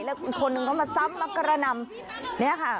แล้วคนหนึ่งเข้ามาซ้ำมากระนำ